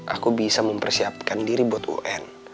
aku bisa mempersiapkan diri buat un